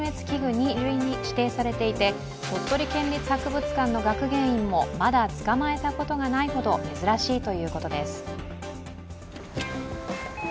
２類に指定されていて、鳥取県立博物館の学芸員もまだ捕まえたことがないほど珍しいということです。